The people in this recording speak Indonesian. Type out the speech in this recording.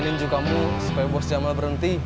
saya ninju kamu supaya bos jamal berhenti